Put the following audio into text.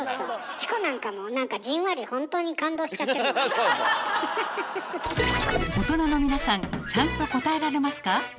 チコなんかも何かじんわり大人の皆さんちゃんと答えられますか？